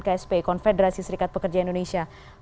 ksp konfederasi serikat pekerja indonesia